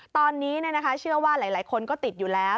ตอนนี้เชื่อว่าหลายคนก็ติดอยู่แล้ว